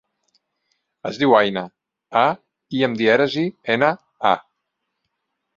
Es diu Aïna: a, i amb dièresi, ena, a.